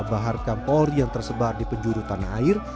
bahar kampolri yang tersebar di penjuru tanah air